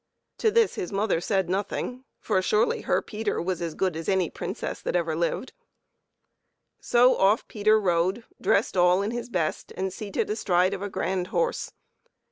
To this his mother said nothing, for surely her Peter was as good as any princess that ever lived. So off Peter rode, dressed all in his best and seated astride of a grand horse.